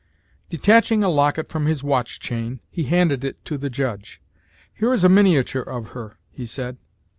Detaching a locket from his watch chain, he handed it to the judge. "Here is a miniature of her," he said.